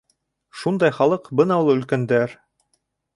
Шундай халыҡ бына ул өлкәндәр.